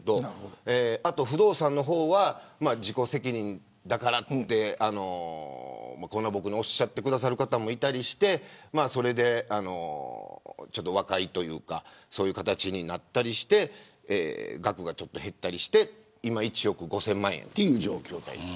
あと不動産の方は自己責任だからとこんな僕に言ってくれる方もいて和解というかそういう形になったりして額が少し減ったりして今は１億５０００万円という状況。